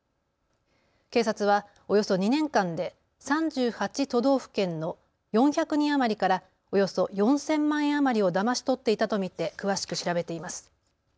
警察はおよそ２年間で３８都道府県の４００人余りからおよそ４０００万円余りをだまし取っていたと見て詳しく調べています。